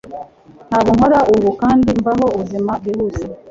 Ntabwo nkora ubu kandi mbaho ubuzima bwihuse.